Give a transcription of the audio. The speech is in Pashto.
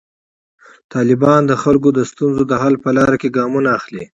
طالبان د خلکو د ستونزو د حل په لاره کې ګامونه اخلي.